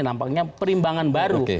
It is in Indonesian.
nampaknya perimbangan baru